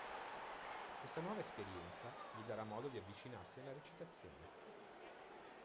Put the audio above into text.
Questa nuova esperienza, gli darà modo di avvicinarsi alla recitazione.